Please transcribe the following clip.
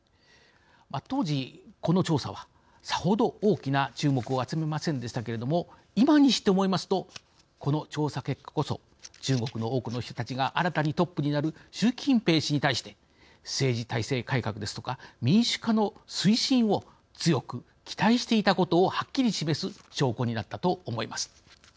当時この調査はさほど大きな注目を集めませんでしたけれども今にして思いますとこの調査結果こそ中国の多くの人たちが新たにトップになる習近平氏に対して政治体制改革ですとか民主化の推進を強く期待していたことをはっきり示す証拠になったと思います。